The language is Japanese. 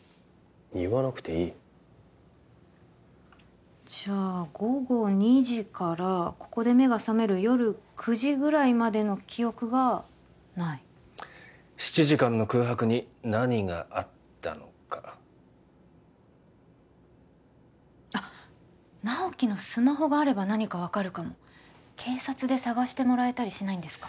言わなくていいじゃあ午後２時からここで目が覚める夜９時ぐらいまでの記憶がない７時間の空白に何があったのかあっ直木のスマホがあれば何かわかるかも警察で捜してもらえたりしないんですか？